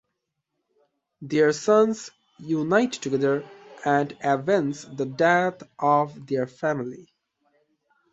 Their sons unite together and avenge the death of their family.